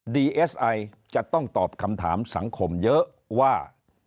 ดีเอสไอจะต้องตอบคำถามสังคมเยอะว่า